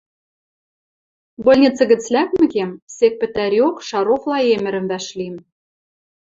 Больница гӹц лӓкмӹкем, сек пӹтӓриок Шаров Лаэмӹрӹм вӓшлим.